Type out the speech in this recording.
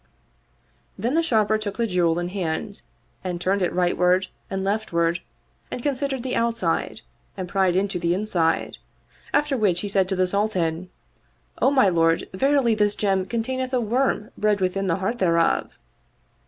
Then the Sharper took the jewel in hand and turned it rightward and leftward and considered the outside and pried into the in side ; after which he said to the Sultan, " O my lord, verily this gem containeth a worm bred within the heart thereof."